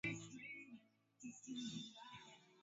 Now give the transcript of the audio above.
Shati lake ni jipya